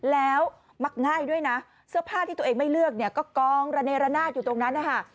แล้วมักง่ายด้วยนะเสื้อผ้าที่ตัวเองไม่เลือกเนี่ยก็กองระเนรนาศอยู่ตรงนั้นนะคะ